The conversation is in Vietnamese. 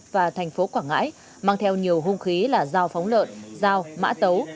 và thành phố quảng ngãi mang theo nhiều hung khí là dao phóng lợn dao mã tấu